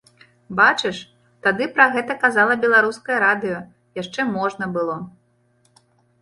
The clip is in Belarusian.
Бачыш, тады пра гэта казала беларускае радыё, яшчэ можна было.